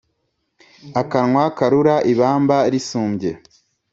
Akanwa karura ibamba risumbye